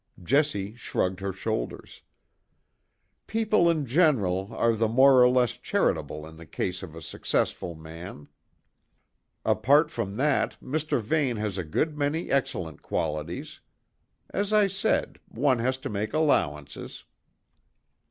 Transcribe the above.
Jessie shrugged her shoulders. "People in general are the more or less charitable in the case of a successful man. Apart from that, Mr. Vane has a good many excellent qualities. As I said, one has to make allowances."